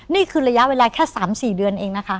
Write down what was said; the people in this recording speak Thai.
นี่คือระยะเวลาแค่๓๔เดือนเองนะคะ